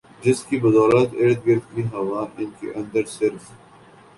جس کی بدولت ارد گرد کی ہوا ان کے اندر صرف